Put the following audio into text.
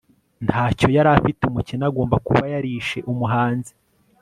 Ntacyo yari afite umukene agomba kuba yarishe umuhanzi